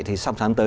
thì sáng sáng tới